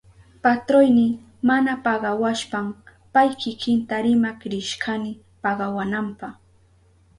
Patroyni mana pagawashpan pay kikinta rimak rishkani pagawananpa.